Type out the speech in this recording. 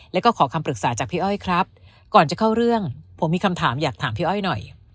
แล้วก็ขอคำปรึกษาจากพี่อ้อยครับก่อนจะเข้าเรื่องผมมีคำถามอยากถามพี่อ้อยหน่อย